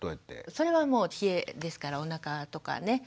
それはもう冷えですからおなかとかね